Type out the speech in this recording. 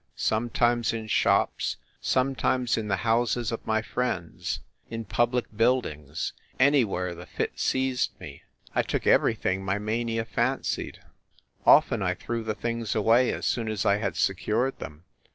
Some times in shops, sometimes in the houses of my friends, in public buildings anywhere the fit seized me. I took everything my mania fancied. Often I threw the things away as soon as I had secured them.